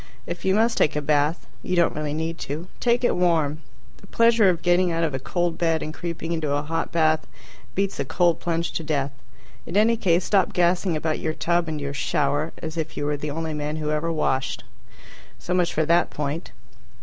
If you must take a bath (you don't really need to), take it warm. The pleasure of getting out of a cold bed and creeping into a hot bath beats a cold plunge to death. In any case, stop gassing about your tub and your "shower," as if you were the only man who ever washed. So much for that point.